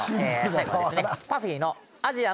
最後はですね。